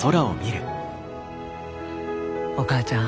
お母ちゃん